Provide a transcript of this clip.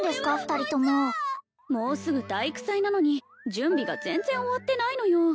２人とももうすぐ体育祭なのに準備が全然終わってないのよ